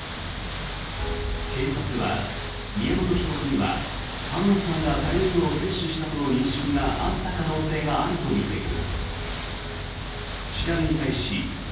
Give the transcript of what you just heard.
警察は、宮本被告には浜野さんがタリウムを摂取したとの認識があった可能性があるとみている。